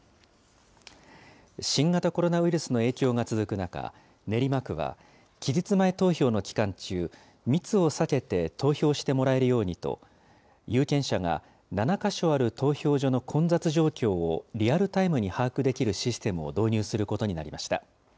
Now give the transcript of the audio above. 新型コロナウイルスの影響が続く中、練馬区は期日前投票の期間中、密を避けて投票してもらえるようにと、有権者が７か所ある投票所の混雑状況をリアルタイムに把握できるシステムを導入することになりました。